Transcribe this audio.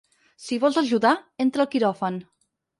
Si vols ajudar, entra al quiròfan.